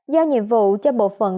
do nhiệm vụ cho bộ phận